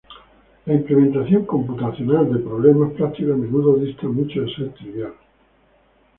La implementación computacional de problemas prácticos a menudo dista mucho de ser trivial.